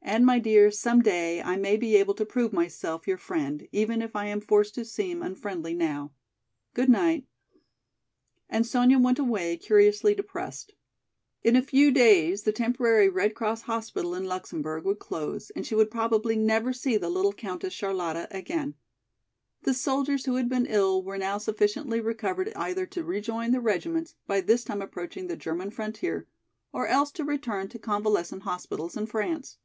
And, my dear, some day I may be able to prove myself your friend, even if I am forced to seem unfriendly now. Goodnight." And Sonya went away, curiously depressed. In a few days the temporary Red Cross hospital in Luxemburg would close and she would probably never see the little Countess Charlotta again. The soldiers who had been ill were now sufficiently recovered either to rejoin their regiments, by this time approaching the German frontier, or else to return to convalescent hospitals in France.